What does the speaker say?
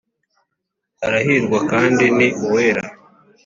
arahirwa kandi ni uwera.